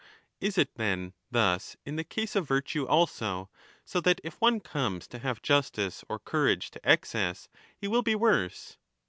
Is it, then, thus in the case of virtue also, so that, if one comes to have justice or courage to excess, he will be worse